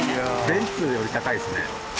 ベンツより高いですね。